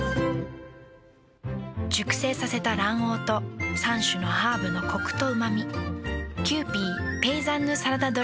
熟成させた卵黄と３種のハーブのコクとうま味。